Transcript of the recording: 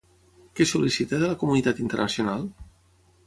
Què sol·licita de la comunitat internacional?